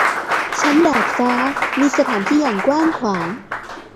ชั้นดาดฟ้า มีสถานที่อย่างกว้างขวาง